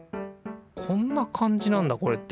こんな感じなんだこれって。